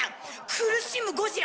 苦しむゴジラ。